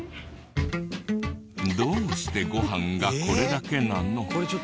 どうしてご飯がこれだけなの？